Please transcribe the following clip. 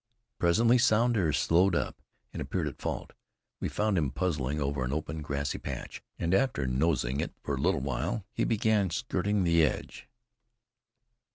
Presently Sounder slowed up and appeared at fault. We found him puzzling over an open, grassy patch, and after nosing it for a little while, he began skirting the edge.